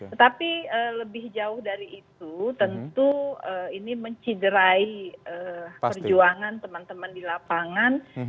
tetapi lebih jauh dari itu tentu ini menciderai perjuangan teman teman di lapangan